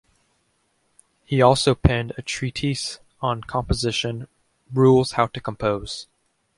He also penned a treatise on composition, "Rules how to Compose".